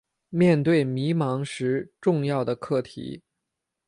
面对迷惘时重要的课题